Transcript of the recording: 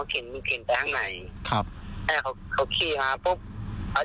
คือเขาคืนกุญแจให้แล้วก็แยกแยกกันไปใช่ไหมครับ